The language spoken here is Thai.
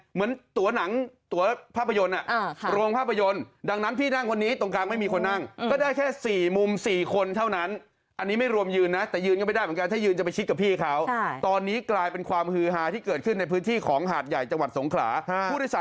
เฮ้ยมีไม่ชอบเหรอ